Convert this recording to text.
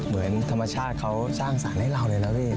เหมือนธรรมชาติเขาสร้างสารให้เราเลยนะพี่